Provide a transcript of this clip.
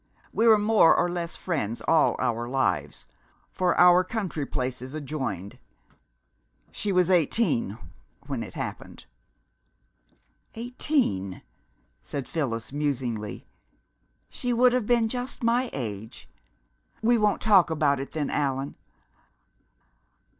We were more or less friends all our lives, for our country places adjoined. She was eighteen when it happened." "Eighteen," said Phyllis musingly. "She would have been just my age.... We won't talk about it, then, Allan